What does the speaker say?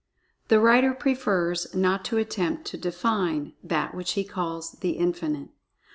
The writer prefers not to attempt to "define" THAT which he calls "The Infinite."